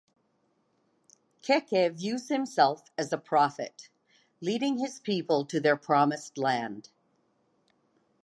Keke views himself as a prophet, leading his people to their "promised land".